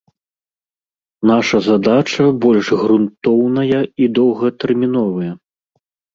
Наша задача больш грунтоўная і доўгатэрміновая.